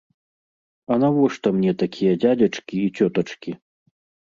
А навошта мне такія дзядзечкі і цётачкі?